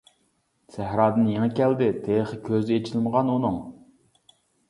سەھرادىن يېڭى كەلدى، تېخى كۆزى ئېچىلمىغان ئۇنىڭ.